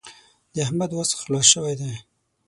د احمد وس خلاص شوی دی.